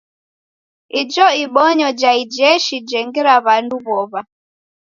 Ijo ibonyo ja ijeshi jengira w'andu w'ow'a.